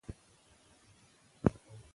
ماشومه کولی شي له نورو زده کړي.